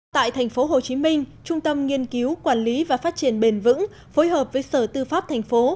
tại tp hcm trung tâm nghiên cứu quản lý và phát triển bền vững phối hợp với sở tư pháp thành phố